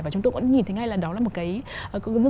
và chúng tôi cũng nhìn thấy ngay là đó là một cái